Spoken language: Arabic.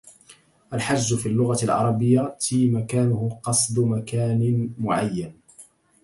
الحج فى اللغة العربية معناه قصد مكان معين.